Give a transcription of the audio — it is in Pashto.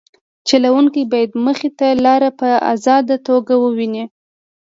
چلوونکی باید مخې ته لاره په ازاده توګه وویني